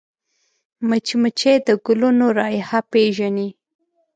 مچمچۍ د ګلونو رایحه پېژني